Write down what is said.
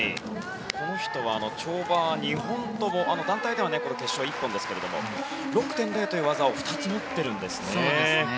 この人は跳馬は２本とも団体ではこの決勝１本ですが６．０という技を２つ持っているんですよね。